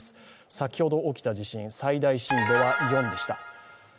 先ほど起きた地震、最大震度は４でした。